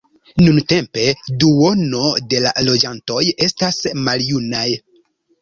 Nuntempe duono de la loĝantoj estas maljunaj.